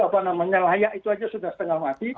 apa namanya layak itu aja sudah setengah mati